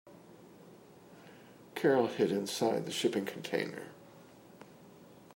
Carol hid inside the shipping container.